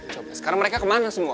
coba sekarang mereka kemana semua